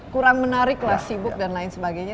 kurang menarik lah sibuk dan lain sebagainya